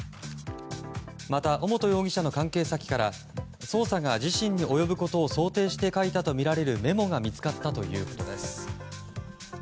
また、尾本容疑者の関係先から捜査が自身に及ぶことを想定して書いたとみられるメモが見つかったということです。